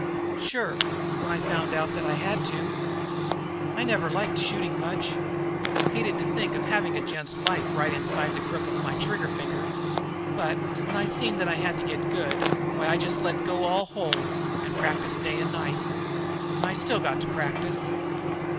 "Sure, when I found out that I had to. I never liked shooting much. Hated to think of having a gent's life right inside the crook of my trigger finger. But, when I seen that I had to get good, why I just let go all holds and practiced day and night. And I still got to practice."